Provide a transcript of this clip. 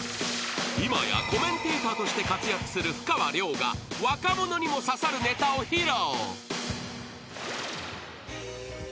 ［今やコメンテーターとして活躍するふかわりょうが若者にも刺さるネタを披露］